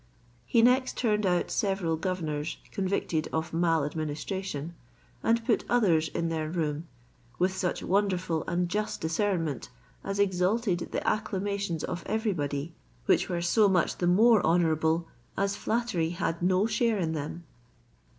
He next turned out several governors convicted of mal administration, and put others in their room, with such wonderful and just discernment, as exalted the acclamations of every body, which were so much the more honourable, as flattery had no share in them.